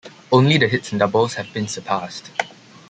Only the hits and doubles have been surpassed.